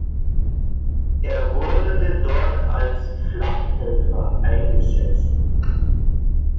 Er wurde dort als Flakhelfer eingesetzt.